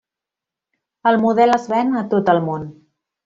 El model es ven a tot el món.